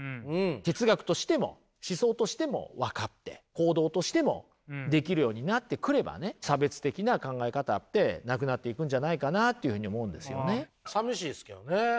哲学としても思想としても分かって行動としてもできるようになってくれば差別的な考え方ってなくなっていくんじゃないかなというふうに思うんですよね。